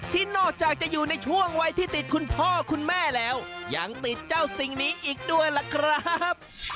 ที่นอกจากจะอยู่ในช่วงวัยที่ติดคุณพ่อคุณแม่แล้วยังติดเจ้าสิ่งนี้อีกด้วยล่ะครับ